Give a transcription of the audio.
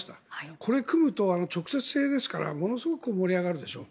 これが組むと直接制ですからものすごく盛り上がるでしょ。